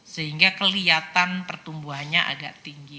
sehingga kelihatan pertumbuhannya agak tinggi